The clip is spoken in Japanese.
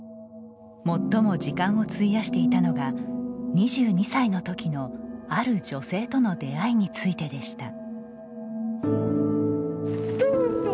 最も時間を費やしていたのが２２歳の時のある女性との出会いについてでした。